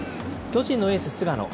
巨人のエース、菅野。